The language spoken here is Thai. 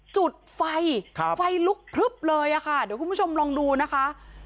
จุดไฟไฟลุกพลึบเลยค่ะเดี๋ยวคุณผู้ชมลองดูนะคะ